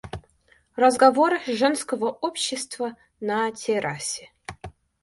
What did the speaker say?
Разговор женского общества на террасе.